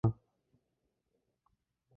একবার তোমার গায়ে লাথি দিয়েছিল মা!